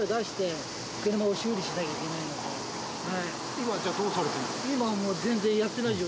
今じゃあどうされてるんですか？